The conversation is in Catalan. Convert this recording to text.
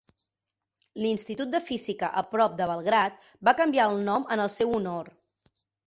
L'Institut de Física, a prop de Belgrad, va canviar el nom en el seu honor.